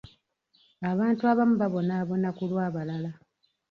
Abantu abamu babonaabona ku lw'abalala.